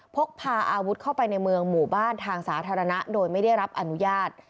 พกพาอาวุธเข้าไปในเมืองหมู่บ้านทางสาธารณะโดยไม่ได้รับอนุญาต